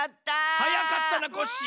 はやかったなコッシー。